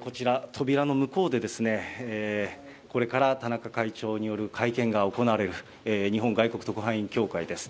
こちら、扉の向こうでこれから田中会長による会見が行われる、日本外国特派員協会です。